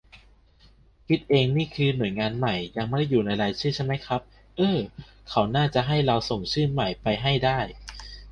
คิดเองนี่คือ หน่วยงานใหม่ ยังไม่อยู่ในรายชื่อใช่ไหมครับ เอ้อ เขาน่าจะให้เราส่งชื่อใหม่ไปให้ได้